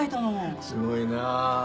すごいな。